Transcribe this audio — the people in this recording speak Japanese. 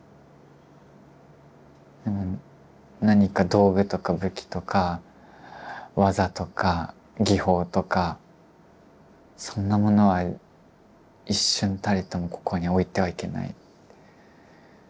でも何か道具とか武器とか技とか技法とかそんなものは一瞬たりともここに置いてはいけない。